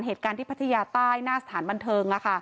เหตุการณ์ที่พัทยาใต้หน้าสถานบันเทิง